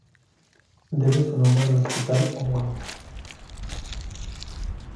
Debe su nombre al hospital homónimo.